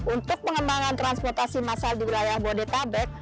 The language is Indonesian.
untuk pengembangan transportasi masal di wilayah bordetabek